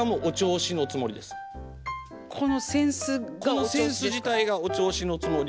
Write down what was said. この扇子自体がお銚子のつもりで。